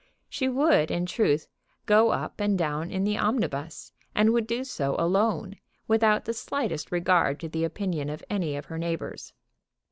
She would, in truth, go up and down in the omnibus, and would do so alone, without the slightest regard to the opinion of any of her neighbors.